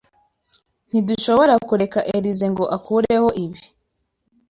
Ntidushobora kureka Elyse ngo akureho ibi.